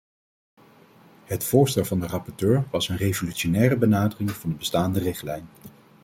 Het voorstel van de rapporteur was een revolutionaire benadering van de bestaande richtlijn.